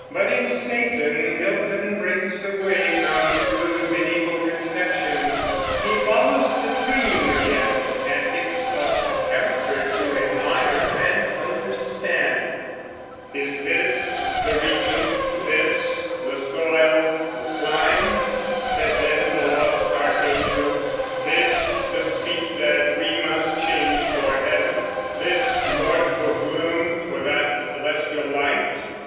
But in Satan Milton breaks away from crude mediæval conceptions; he follows the dream again, and gives us a character to admire and understand: "Is this the region, this the soil, the clime," Said then the lost Archangel, "this the seat That we must change for Heaven? this mournful gloom For that celestial light?